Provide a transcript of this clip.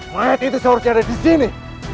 mayat itu seharusnya ada di sini